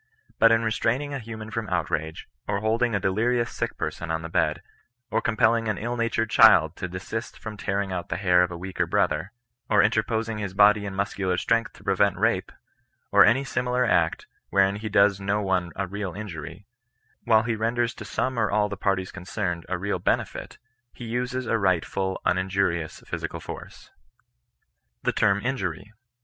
But in restraining a mad man from outrage, or holding a delirious sick person on the bed, or compelling an ill natured child to desist from tearing out the hair of a weaker brother, or interposing his body and muscular strength to prevent rape, or any similar act, wherein he does no one a real injuiy, while he renders to some or all the parties concerned a real henefUi he uses a rightful uninjurious physical force. THE T£BM INJUBT.